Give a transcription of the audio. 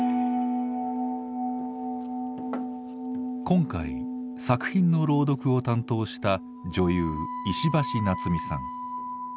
今回作品の朗読を担当した女優・石橋菜津美さん。